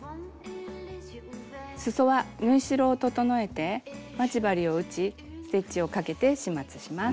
すそは縫い代を整えて待ち針を打ちステッチをかけて始末します。